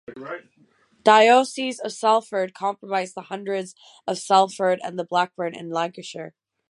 The Diocese of Salford comprised the hundreds of Salford and Blackburn in Lancashire.